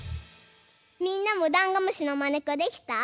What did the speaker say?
みんなもダンゴムシのまねっこできた？